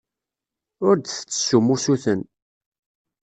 Ur d-tettessum usuten.